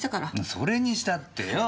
それにしたってよ。